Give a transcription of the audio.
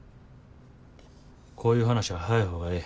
こういう話は早い方がええ。